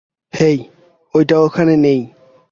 হেই, ওটা ওখানে নেই।